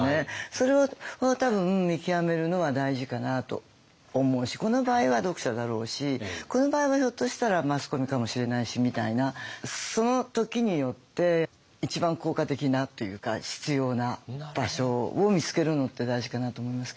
それを多分見極めるのは大事かなと思うしこの場合は読者だろうしこの場合はひょっとしたらマスコミかもしれないしみたいなその時によって一番効果的なというか必要な場所を見つけるのって大事かなと思いますけれど。